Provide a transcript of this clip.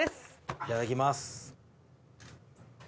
いただきます。